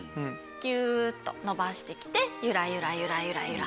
ギューッと伸ばしてきてゆらゆらゆらゆらゆら。